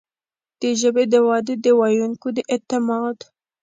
د ژبې د ودې، د ویونکو د اعتماد